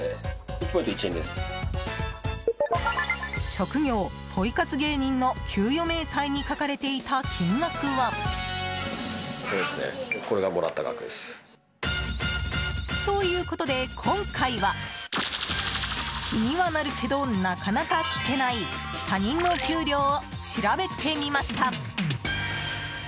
職業、ポイ活芸人の給与明細に書かれていた金額は。ということで今回は気にはなるけどなかなか聞けない他人のお給料を調べてみました。